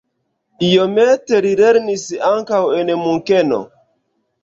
Iomete li lernis ankaŭ en Munkeno.